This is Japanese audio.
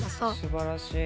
すばらしい。